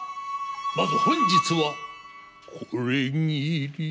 まず本日は「これぎり」。